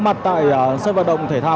rất thân thiện